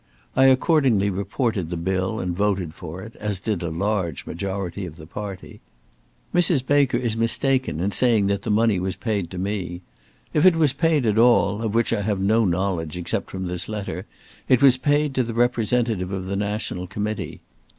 I accordingly reported the bill, and voted for it, as did a large majority of the party. Mrs. Baker is mistaken in saying that the money was paid to me. If it was paid at all, of which I have no knowledge except from this letter, it was paid to the representative of the National Committee.